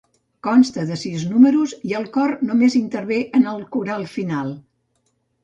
Consta de sis números, i el cor només intervé en el coral final.